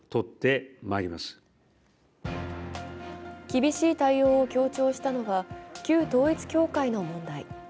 厳しい対応を強調したのは旧統一教会の問題。